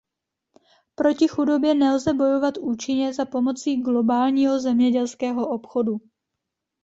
Proti chudobě nelze bojovat účinně za pomocí globálního zemědělského obchodu.